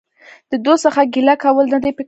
د دوست څخه ګيله کول نه دي په کار.